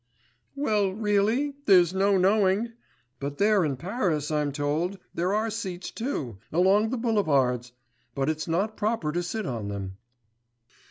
'Well, really, there's no knowing! But there in Paris, I'm told, there are seats, too, along the boulevards; but it's not proper to sit on them.